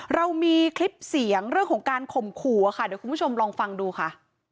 เรามีคลิปเสียงเรื่องของการข่มขู่ค่ะเดี๋ยวคุณผู้ชมลองฟังดูค่ะ